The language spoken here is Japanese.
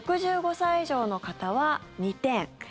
６５歳以上の方は２点。